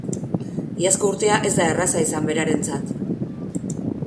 Iazko urtea ez da erraza izan berarentzat.